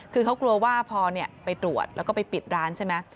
คือเขากลัวว่าพอไปตรวจแล้วก็ไปปิดร้านใช่ไหม